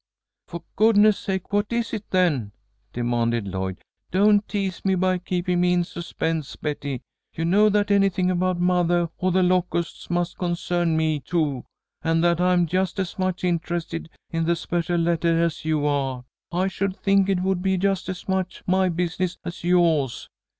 "For goodness' sake, what is it, then?" demanded Lloyd. "Don't tease me by keeping me in suspense, Betty. You know that anything about mothah or The Locusts must concern me, too, and that I am just as much interested in the special lettah as you are. I should think it would be just as much my business as yoah's."